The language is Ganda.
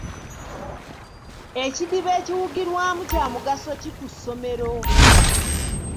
Ekidiba ekiwugirwamu kya mugaso ki ku ssomero?